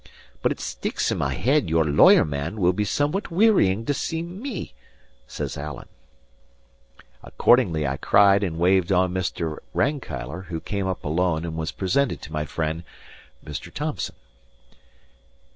But it sticks in my head your lawyer man will be somewhat wearying to see me," says Alan. Accordingly I cried and waved on Mr. Rankeillor, who came up alone and was presented to my friend, Mr. Thomson.